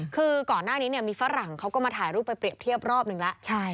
คือก่อนหน้านี้มีฝรั่งเขาก็มาถ่ายรูปไปเรียบเทียบรอบหนึ่งแล้ว